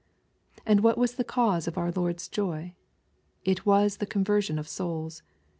And what was the cause of our Lord's joy ? It was the conversion of souls.